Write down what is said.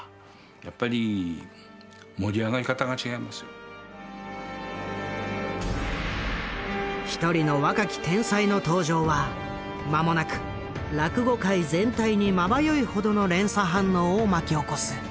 やっぱり一人の若き天才の登場は間もなく落語界全体にまばゆいほどの連鎖反応を巻き起こす。